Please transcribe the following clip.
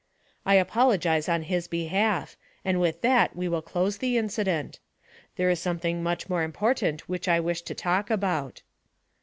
'I apologize on his behalf, and with that we will close the incident. There is something much more important which I wish to talk about.'